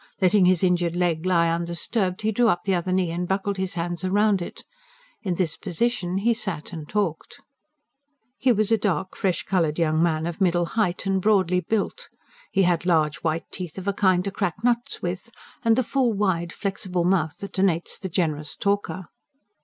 Letting his injured leg lie undisturbed, he drew up the other knee and buckled his hands round it. In this position he sat and talked. He was a dark, fresh coloured young man, of middle height, and broadly built. He had large white teeth of a kind to crack nuts with, and the full, wide, flexible mouth that denotes the generous talker.